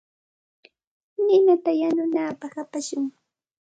Ninata yanunapaq apashun.